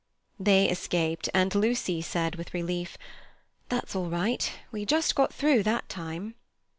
They escaped, and Lucy said with relief: "That's all right. We just got through that time."